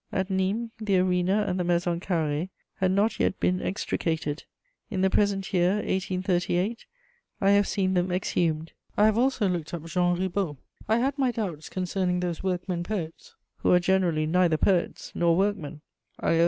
At Nîmes, the Arena and the Maison Carrée had not yet been extricated: in the present year, 1838, I have seen them exhumed. I have also looked up Jean Reboul. I had my doubts concerning those workmen poets, who are generally neither poets nor workmen: I owe M.